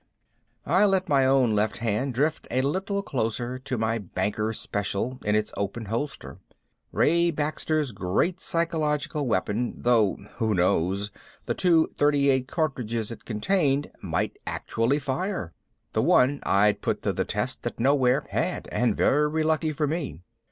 I let my own left hand drift a little closer to my Banker's Special in its open holster Ray Baker's great psychological weapon, though (who knows?) the two .38 cartridges it contained might actually fire. The one I'd put to the test at Nowhere had, and very lucky for me.